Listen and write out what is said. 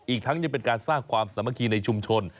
อีกทั้งยังเป็นการสร้างความสามัคคีในชุมชน